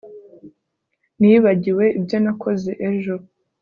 nibagiwe ibyo nakoze ejo